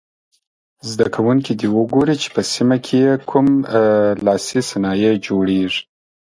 زده کوونکي دې وګوري چې په سیمه کې یې کوم لاسي صنایع جوړیږي.